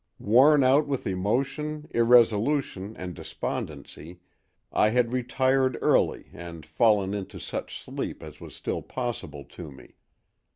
Worn out with emotion, irresolution and despondency, I had retired early and fallen into such sleep as was still possible to me.